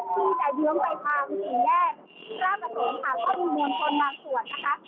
ที่จะเยื้อมไปความสีแยกราบผสมค่ะก็มีมวลทนบางส่วนนะคะ